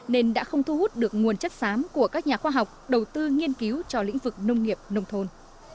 nên đã không thu hút được nguồn chất xám của các nhà khoa học đầu tư nghiên cứu cho lĩnh vực nông nghiệp nông thôn